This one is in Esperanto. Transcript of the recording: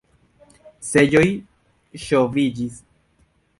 Seĝoj ŝoviĝis.